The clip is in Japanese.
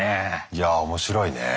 いや面白いね。